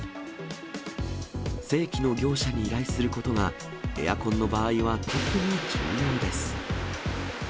正規の業者に依頼することが、エアコンの場合は特に重要です。